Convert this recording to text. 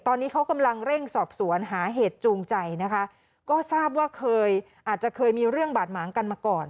ตอนนี้เขากำลังเร่งสอบสวนหาเหตุจูงใจนะคะก็ทราบว่าเคยอาจจะเคยมีเรื่องบาดหมางกันมาก่อน